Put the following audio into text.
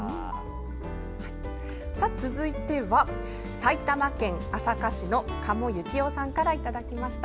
続いては埼玉県朝霞市の加茂幸雄さんからいただきました。